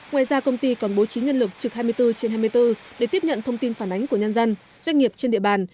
ngoài ra công ty còn bố trí nhân lực trực hai mươi bốn trên hai mươi bốn để tiếp nhận thông tin phản ánh của nhân dân doanh nghiệp trên địa bàn